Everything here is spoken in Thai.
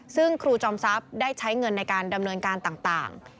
ซึ่งครูจอมทรัพย์ได้ใช้เงินในการดำเนินการต่าง